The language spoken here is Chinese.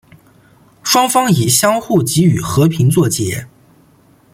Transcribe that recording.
双方以相互给予和平作结。